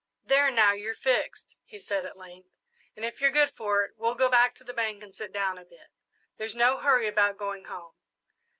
"There, now you're fixed," he said, at length; "and if you're good for it, we'll go back to the bank and sit down a bit. There's no hurry about going home."